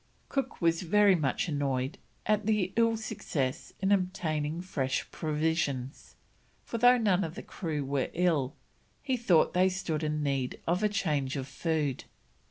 Cook was very much annoyed at the ill success in obtaining fresh provisions, for though none of the crew were ill, he thought they stood in need of a change of food.